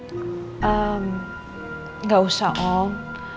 ehm gak usah om